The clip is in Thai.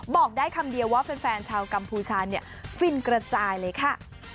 บอกได้คำเดียวว่าแฟนชาวกัมพูชาเนี่ยฟินกระจายเลยค่ะ